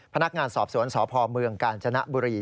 พนักงานสอบสวนสพเมืองกาญจนบุรี